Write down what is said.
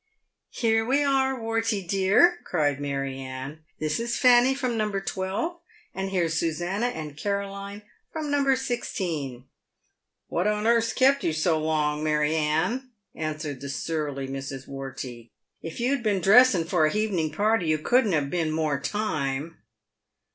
" Here we are, "Wortey, dear," cried Mary Anne. " This is Fanny from No. 12, and here's Susannah and Caroline from No. 16." " "What on h' earth's kept you so long, Mary h'Anne ?" answered the surly Mrs. "Wortey. " If you'd been dressing for a h' evening party you couldn't have been more time."